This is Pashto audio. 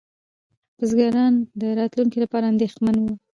بزګران د راتلونکي لپاره اندېښمن وو.